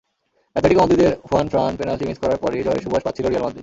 Atletico মাদ্রিদের Juanfran penalty miss করার পরই জয়ের সুবাস পাচ্ছিল রিয়াল মাদ্রিদ।